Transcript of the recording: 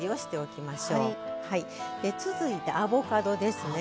で続いてアボカドですね。